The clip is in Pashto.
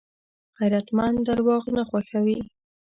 غیرتمند درواغ نه خوښوي